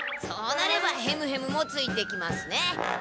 そうなればヘムヘムもついてきますね。